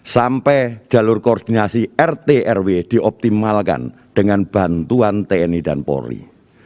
sampai jalur koordinasi rt rw dioptimalkan dengan bantuan tni dan polri